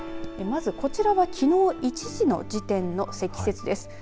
まず、こちらはきのう１時の積雪です。